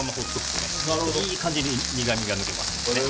いい感じに苦みが抜けます。